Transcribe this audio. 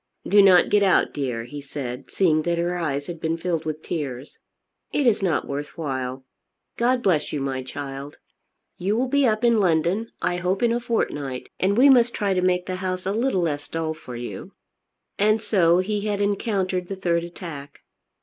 "Do not get out, dear," he said, seeing that her eyes had been filled with tears. "It is not worth while. God bless you, my child! You will be up in London I hope in a fortnight, and we must try to make the house a little less dull for you." And so he had encountered the third attack.